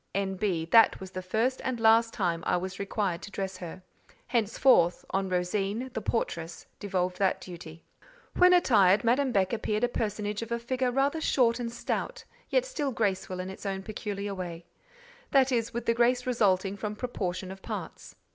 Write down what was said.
N.B.—That was the first and last time I was required to dress her. Henceforth, on Rosine, the portress, devolved that duty. When attired, Madame Beck appeared a personage of a figure rather short and stout, yet still graceful in its own peculiar way; that is, with the grace resulting from proportion of parts.